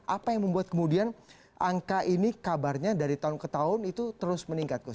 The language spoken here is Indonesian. apa yang membuat kemudian angka ini kabarnya dari tahun ke tahun itu terus meningkat gus